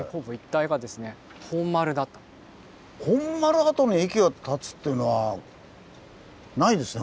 本丸跡に駅が建つっていうのはないですね